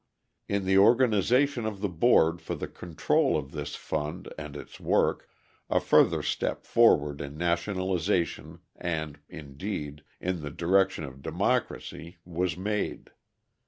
In the organisation of the board for the control of this fund and its work, a further step forward in nationalisation and, indeed, in the direction of democracy, was made.